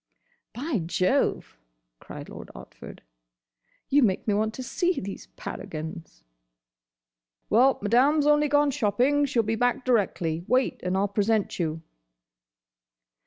"By Jove!" cried Lord Otford, "you make me want to see these paragons!" "Well, Madame 's only gone shopping. She 'll be back directly. Wait, and I 'll present you."